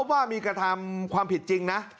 วิกธรรมความผิดจริงนะ